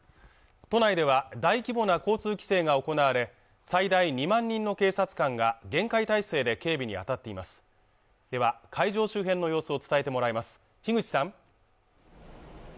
都内では大規模な交通規制が行われ最大２万人の警察官が厳戒態勢で警備にあたっていますでは会場周辺の様子を伝えてもらいます樋口さん